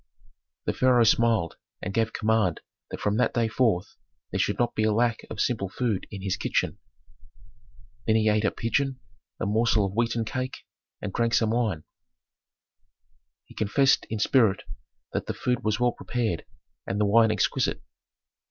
The pharaoh smiled and gave command that from that day forth there should not be a lack of simple food in his kitchen. Then he ate a pigeon, a morsel of wheaten cake, and drank some wine. He confessed in spirit that the food was well prepared and the wine exquisite.